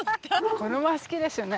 子供は好きですよね。